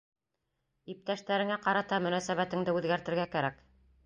Иптәштәреңә ҡарата мөнәсәбәтеңде үҙгәртергә кәрәк!..